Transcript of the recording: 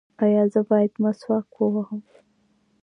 ایا زه باید مسواک ووهم؟